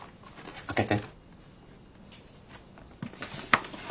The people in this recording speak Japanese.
開けて。